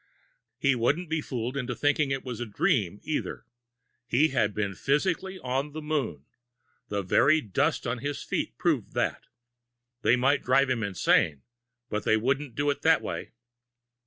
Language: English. He wouldn't be fooled into thinking it was a dream, either. He'd been physically on the moon the very dust on his feet proved that. They might drive him insane, but they wouldn't do it that way.